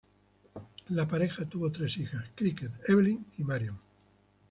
La pareja tuvo tres hijas: Cricket, Evelyn y Marian.